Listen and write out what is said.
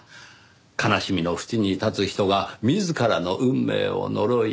悲しみの淵に立つ人が自らの運命を呪い泣いている。